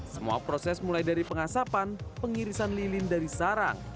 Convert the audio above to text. semua proses mulai dari pengasapan pengirisan lilin dari sarang